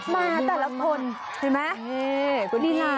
มาแต่ละคน